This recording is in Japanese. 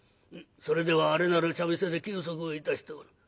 それではあれなる茶店で休息をいたしておる。